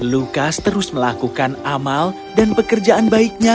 lukas terus melakukan amal dan pekerjaan baiknya